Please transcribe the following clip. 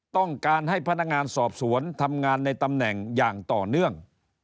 ต้องการให้พนักงานสอบสวนทำงานในตำแหน่งอย่างต่อเนื่อง